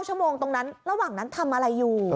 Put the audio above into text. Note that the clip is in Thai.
ชั่วโมงตรงนั้นระหว่างนั้นทำอะไรอยู่